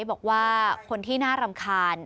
บอกว่าคนที่น่ารำคาญ